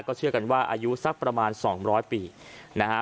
เชื่อกันว่าอายุสักประมาณ๒๐๐ปีนะฮะ